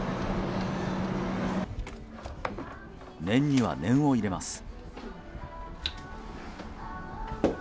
念には念を入れます。